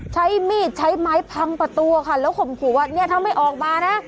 ใช้มีดใช้ไม้พังประตูค่ะแล้วข่มขู่ว่าเนี่ยถ้าไม่ออกมานะ